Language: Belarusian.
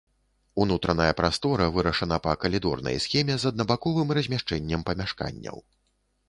Унутраная прастора вырашана па калідорнай схеме з аднабаковым размяшчэннем памяшканняў.